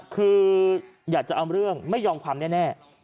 คืออยากจะเอาเรื่องไม่ยอมความแน่